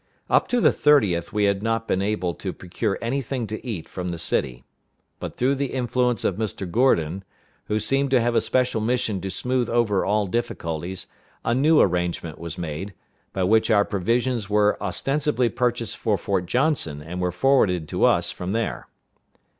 Up to the 30th we had not been able to procure any thing to eat from the city; but through the influence of Mr. Gourdin, who seemed to have a special mission to smooth over all difficulties, a new arrangement was made, by which our provisions were ostensibly purchased for Fort Johnson, and were forwarded to us from there.